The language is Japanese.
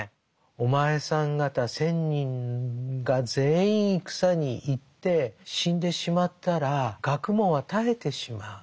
「お前さん方千人が全員戦に行って死んでしまったら学問は絶えてしまう。